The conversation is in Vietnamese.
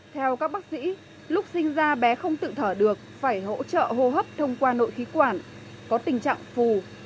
theo các bác sĩ lúc sinh ra bé không tự thở được phải hỗ trợ hô hấp thông qua nội khí quản có tình trạng phù